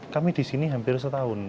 kami di sini hampir setahun